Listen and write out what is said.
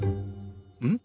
うん？